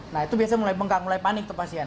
nah itu biasanya mulai bengkak mulai panik tuh pasien